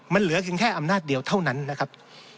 มันเหลือเพียงแค่อำนาจเดียวเท่านั้นนะครับ